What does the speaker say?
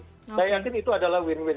saya yakin itu adalah win win